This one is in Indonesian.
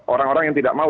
orang orang yang tidak mau